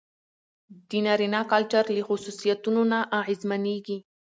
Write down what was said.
د نارينه کلچر له خصوصيتونو نه اغېزمنېږي.